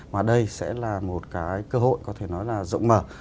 và đây sẽ là một cái cơ hội có thể nói là rộng mở